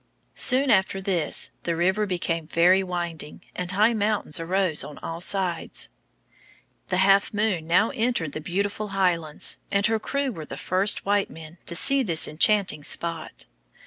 Soon after this the river became very winding, and high mountains arose on all sides. The Half Moon now entered the beautiful Highlands, and her crew were the first white men to see this enchanting spot.